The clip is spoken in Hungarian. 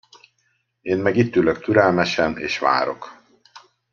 Én meg itt ülök türelmesen, és várok.